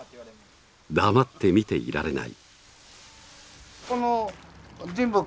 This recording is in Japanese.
黙って見ていられない。